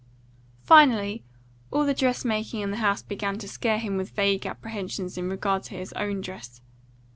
Finally, all that dress making in the house began to scare him with vague apprehensions in regard to his own dress.